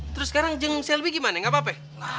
terus sekarang jeng selby gimana gapapa